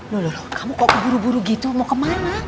lho lho kamu kok buru buru gitu mau kemana